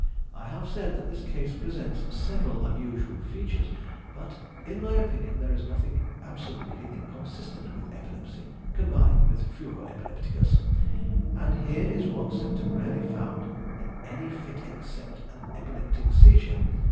"I have said that this case presents several unusual features, but, in my opinion, there is nothing absolutely inconsistent with epilepsy, combined with furor epilepticus. And here is one symptom rarely found in any fit except an epileptic seizure."